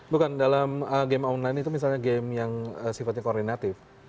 bukan dalam game online itu misalnya game yang sifatnya koordinatif